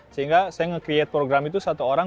sehingga saya membuat program itu satu orang